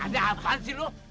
ada apaan sih lu